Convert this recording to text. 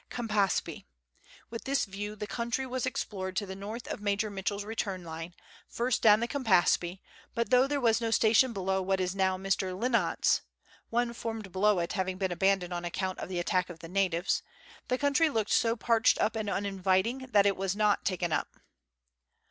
Campaspe. With this view the country was explored to the north of Major Mitchell's return line, first down the Campaspe ; but though there was no station below what is now Mr. Lynott's (one formed below it having been abandoned on account of the attack of the natives), the country looked so parched up and uninviting that it was not taken up.